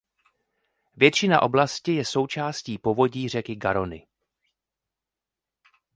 Většina oblasti je součástí povodí řeky Garonne.